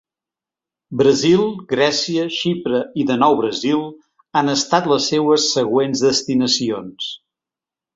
Brasil, Grècia, Xipre i de nou Brasil han estat les seues següents destinacions.